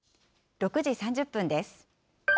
６時３０分です。